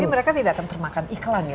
jadi mereka tidak akan termakan iklan ya